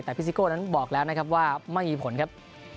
แต่พี่ซิโก้นั้นบอกแล้วนะครับว่าไม่มีผลครับ